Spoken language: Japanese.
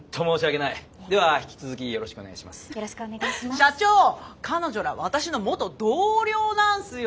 社長彼女ら私の元同僚なんすよ。